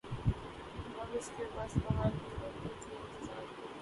اب کے برس بہار کی‘ رُت بھی تھی اِنتظار کی